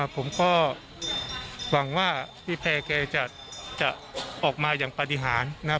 ผมก็หวังว่าพี่แพร่แกจะออกมาอย่างปฏิหารนะครับ